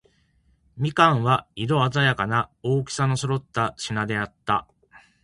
蜜柑は、色のあざやかな、大きさの揃った品であった。